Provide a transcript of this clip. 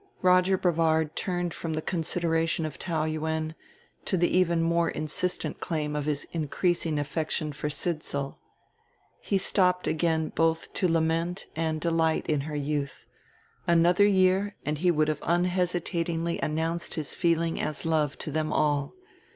Roger Brevard turned from the consideration of Taou Yuen to the even more insistent claim of his increasing affection for Sidsall. He stopped again both to lament and delight in her youth another year and he would have unhesitatingly announced his feeling as love to them all.